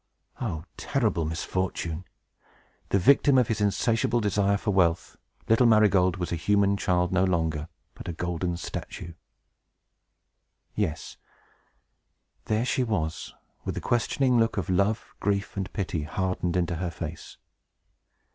Oh, terrible misfortune! The victim of his insatiable desire for wealth, little Marygold was a human child no longer, but a golden statue! [Illustration: MIDAS' DAVGHTER TVRNED TO GOLD] Yes, there she was, with the questioning look of love, grief, and pity, hardened into her face.